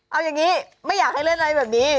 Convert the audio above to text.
เอาอย่างนี้ไม่อยากให้เล่นอะไรแบบนี้